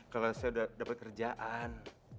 kalau saya sudah dapat kerjaan